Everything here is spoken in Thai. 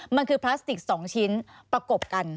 มันคือพลาสติก๒ชิ้นประกบกัน